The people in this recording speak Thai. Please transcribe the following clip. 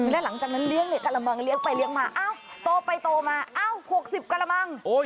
แล้วหลังจากนั้นเลี้ยงเหล็กกระมังเลี้ยไปเลี้ยงมาเอ้าโตไปโตมาเอ้า๖๐กระมัง